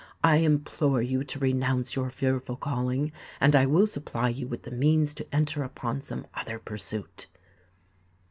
I implore you to renounce your fearful calling—and I will supply you with the means to enter upon some other pursuit."